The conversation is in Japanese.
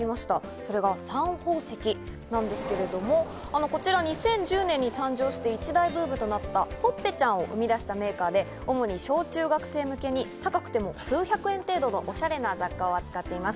それがサン宝石なんですけれども、こちら、２０１０年に誕生して一大ブームとなった、ほっぺちゃんを生み出したメーカーで主に小中学生向けに高くても数百円程度のおしゃれな雑貨を扱っています。